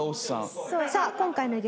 さあ今回の激